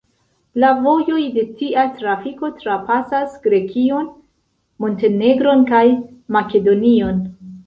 La vojoj de tia trafiko trapasas Grekion, Montenegron kaj Makedonion.